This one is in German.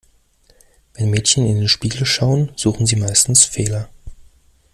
Wenn Mädchen in den Spiegel schauen, suchen sie meistens Fehler.